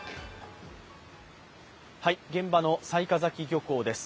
現場の雑賀崎漁港です。